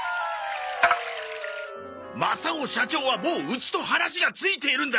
マサオ社長はもううちと話がついているんだ！